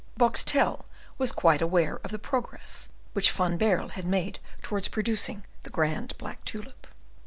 Boxtel was quite aware of the progress which Van Baerle had made towards producing the grand black tulip.